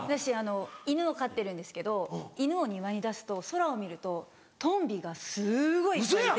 犬を飼ってるんですけど犬を庭に出すと空を見るとトンビがすごいいっぱいいて。